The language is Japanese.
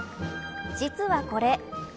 実はこれ。